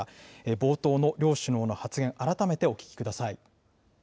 冒頭の両首脳の発言、改めてお聞きください。